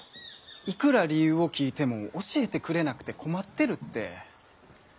いくら理由を聞いても教えてくれなくて困ってるって。